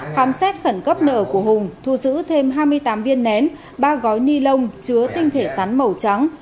khám xét khẩn cấp nợ của hùng thu giữ thêm hai mươi tám viên nén ba gói ni lông chứa tinh thể rắn màu trắng